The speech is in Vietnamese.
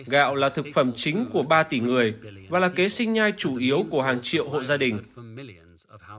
gạo là thực phẩm chính của ba tỷ người và là kế sinh nhai chủ yếu của hàng triệu hộ gia đình